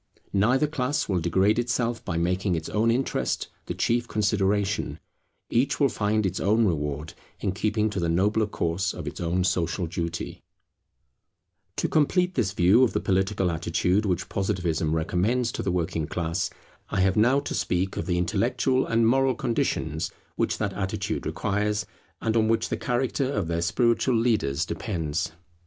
Neither class will degrade itself by making its own interest the chief consideration: each will find its own reward in keeping to the nobler course of its own social duty. [Intellectual attitude of the people. Emancipation from theological belief] To complete this view of the political attitude which Positivism recommends to the working class, I have now to speak of the intellectual and moral conditions which that attitude requires, and on which the character of their spiritual leaders depends.